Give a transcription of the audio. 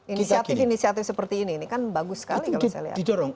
inisiatif inisiatif seperti ini ini kan bagus sekali kalau saya lihat